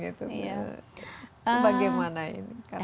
itu bagaimana ini